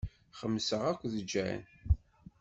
Xemmseɣ akked Jane.